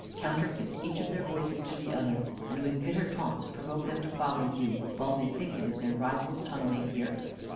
Counterfeit each of their voices to the other, and with bitter taunts provoke them to follow you, while they think it is their rival's tongue they hear.